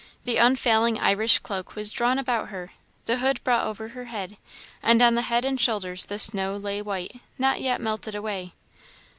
The unfailing Irish cloak was drawn about her, the hood brought over her head, and on the head and shoulders the snow lay white, not yet melted away.